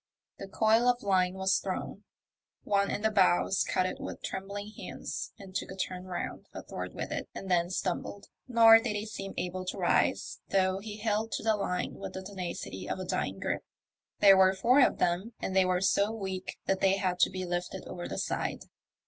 The coil of line was thrown : one in the bows caught it with trembling hands and took a turn round a thwart with it, and then stumbled, nor did he seem able to rise, though he held to the line with the tenacity of a dying grip. There were four of them, and they were so weak that they had to be lifted over the side.